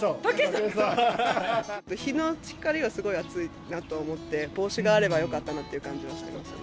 日の光がすごいあついなと思って、帽子があればよかったなという感じはしてますね。